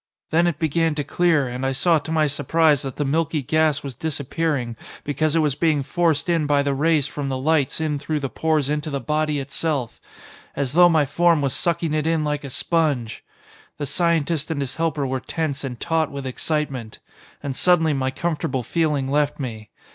Then it began to clear, and I saw to my surprise that the milky gas was disappearing because it was being forced in by the rays from the lights in through the pores into the body itself. As though my form was sucking it in like a sponge. The scientist and his helper were tense and taut with excitement. And suddenly my comfortable feeling left me.